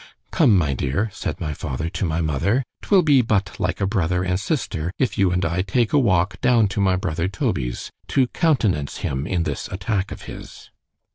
Come, my dear, said my father to my mother—'twill be but like a brother and sister, if you and I take a walk down to my brother Toby's——to countenance him in this attack of his.